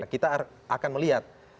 kita akan melihat